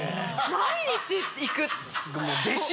毎日行く。